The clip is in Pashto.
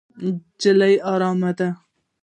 نجلۍ ارامه ده.